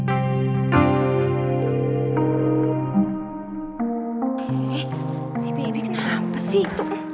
eh si baby kenapa sih